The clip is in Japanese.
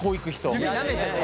指なめてね。